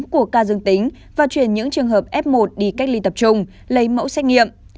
của ca dương tính và chuyển những trường hợp f một đi cách ly tập trung lấy mẫu xét nghiệm